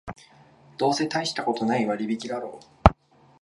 どうせたいしたことない割引だろう